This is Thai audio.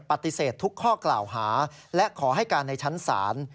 ปฏิเสธทุกข้อกล่าวหาและขอให้การในชั้นศาล